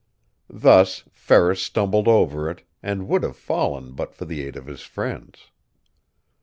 Thus, Ferris stumbled over it; and would have fallen but for the aid of his friends.